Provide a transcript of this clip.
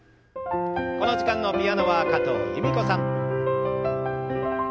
この時間のピアノは加藤由美子さん。